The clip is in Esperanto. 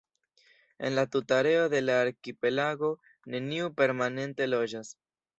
En la tuta areo de la arkipelago neniu permanente loĝas.